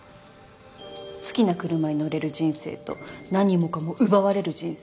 好きな車に乗れる人生と何もかも奪われる人生